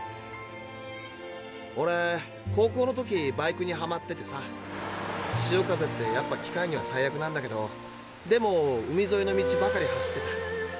オレ高校の時バイクにはまっててさ潮風ってやっぱ機械には最悪なんだけどでも海ぞいの道ばかり走ってた。